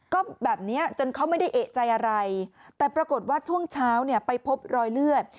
ก็แบบนี้จนเขาไม่ได้เอกใจอะไรแต่ปรากฏว่าช่วงเช้าเนี่ยไปพบรอยเลือด